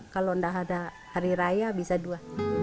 kalau tidak ada hari raya bisa dua